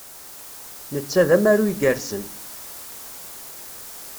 Netta d amaru igerrzen.